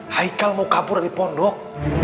haikal mau kapur dari pondok